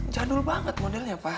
jadul banget modelnya pa